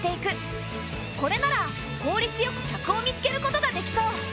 これなら効率よく客を見つけることができそう。